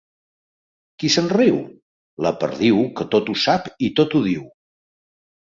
Qui se'n riu? La perdiu, que tot ho sap i tot ho diu.